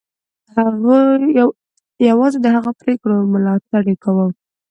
یوازې د هغو پرېکړو ملاتړ یې کاوه.